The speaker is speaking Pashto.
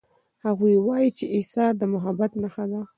هغوی وایي چې ایثار د محبت نښه ده